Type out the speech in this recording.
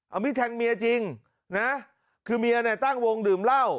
เอามีดแทงเมียจริงนะคือเมียเนี่ยตั้งวงดื่มเหล้า